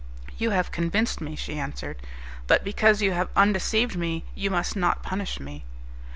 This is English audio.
"You have convinced me," she answered, "but, because you have undeceived me, you must not punish me."